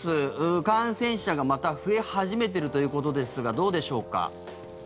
感染者がまた増え始めているということですがどうでしょうか？